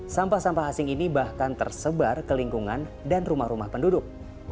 sampah sampah asing ini bahkan tersebar ke lingkungan dan rumah rumah penduduk